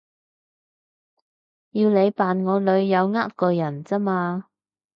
要你扮我女友呃個人咋嘛